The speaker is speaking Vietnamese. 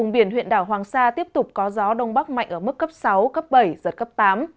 bằng xa tiếp tục có gió đông bắc mạnh ở mức cấp sáu cấp bảy giật cấp tám